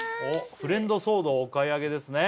フレンドソードをお買い上げですね